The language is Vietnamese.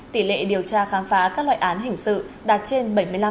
tỷ lệ điều tra khám phá các loại án hình sự đạt trên bảy mươi năm